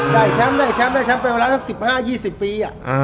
ได้แชมป์ไปวันละ๑๕๒๐ปี